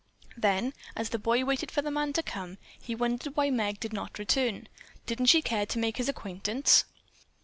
Then, as the boy waited for the man to come up, he wondered why Meg did not return. Didn't she care to make his acquaintance?